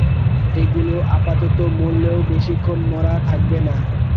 এগুলা আপাতত মরলেও বেশিক্ষণ মরা থাকবে না।